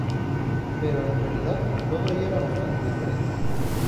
Pero, en realidad, todo ello era bastante diferente.